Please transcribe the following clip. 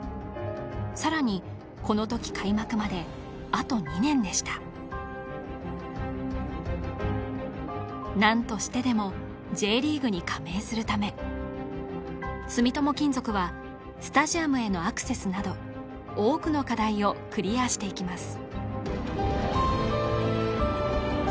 さらにこの時開幕まであと２年でした何としてでもＪリーグに加盟するため住友金属はスタジアムへのアクセスなど多くの課題をクリアしていきます